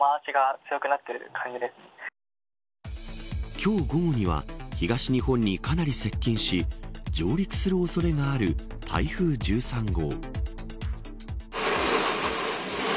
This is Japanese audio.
今日午後には東日本にかなり接近し上陸する恐れがある台風１３号。